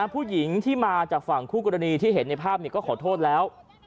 ผู้หญิงที่มาจากฝั่งคู่กรณีที่เห็นในภาพก็ขอโทษแล้ว